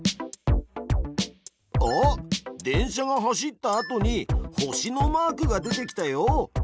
あっ電車が走ったあとに星のマークが出てきたよ。